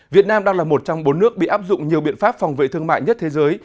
việt nam đang là một trong bốn nước bị áp dụng nhiều biện pháp phòng vệ thương mại nhất thế giới